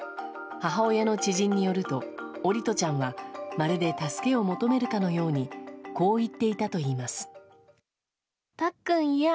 母親の知人によると桜利斗ちゃんはまるで助けを求めるかのようにこう言っていたといいます。